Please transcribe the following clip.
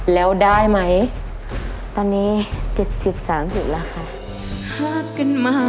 แล้วได้ไหมตอนนี้สิบสามสิบแล้วค่ะ